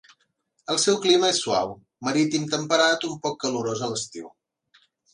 El seu clima és suau, marítim temperat un poc calorós a l'estiu.